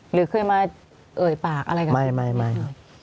หรือเคยมาเอ่ยปากอะไรแบบนี้ครับไม่